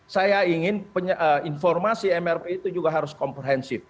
saya ingin informasi mrp itu juga harus komprehensif